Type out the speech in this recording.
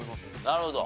なるほど。